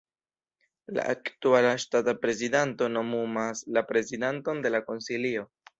La aktuala ŝtata prezidanto nomumas la prezidanton de la konsilio.